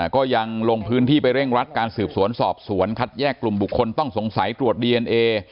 ก็ยังลงพื้นที่ไปเร่งรัดการสืบสวนสอบสวนคัดแยกกลุ่มบุคคลต้องสงสัยตรวจดีเอนเอ